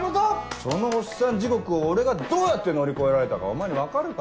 そのおっさん地獄を俺がどうやって乗り越えられたかお前に分かるか？